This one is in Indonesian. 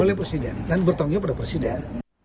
oleh presiden dan bertanggung jawab pada presiden